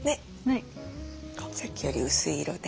さっきより薄い色で。